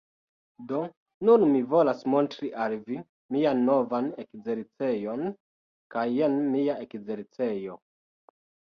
Do, nun mi volas montri al vi mian novan ekzercejon kaj jen mia ekzercejo...